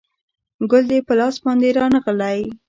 ګل دې په لاس باندې رانغلی